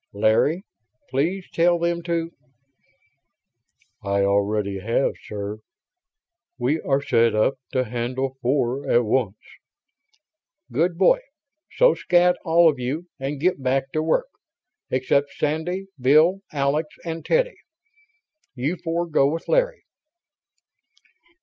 "Larry, please tell them to ..." "I already have, sir. We are set up to handle four at once." "Good boy. So scat, all of you, and get back to work except Sandy, Bill, Alex, and Teddy. You four go with Larry."